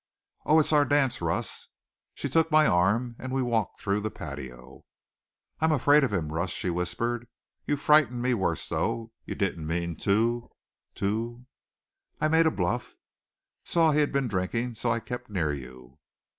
"Oh, it's our dance, Russ!" She took my arm and we walked through the patio. "I'm afraid of him, Russ," she whispered. "You frightened me worse though. You didn't mean to to " "I made a bluff. Saw he'd been drinking, so I kept near you."